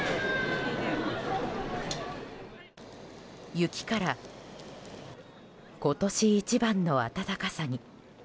雪から、今年一番の暖かさに。